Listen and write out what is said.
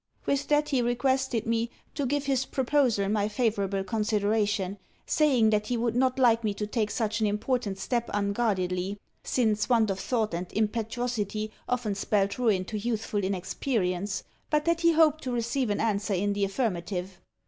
With that he requested me to give his proposal my favourable consideration saying that he would not like me to take such an important step unguardedly, since want of thought and impetuosity often spelt ruin to youthful inexperience, but that he hoped to receive an answer in the affirmative.